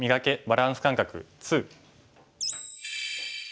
バランス感覚２」。